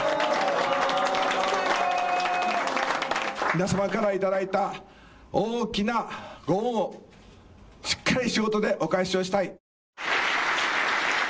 皆様から頂いた大きなご恩をしっかりと仕事でお返しとしたい。